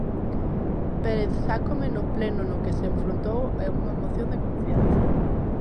Pérez Xácome no pleno no que se enfrontou a unha moción de confianza.